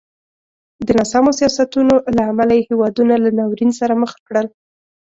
د ناسمو سیاستونو له امله یې هېوادونه له ناورین سره مخ کړل.